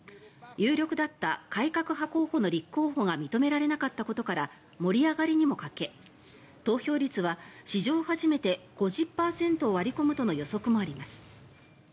有力だった改革派候補の立候補が認められなかったことから盛り上がりにも欠け投票率は史上初めて５０％を割り込むとの予測もあります。